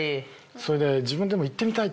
それで自分でも行ってみたい！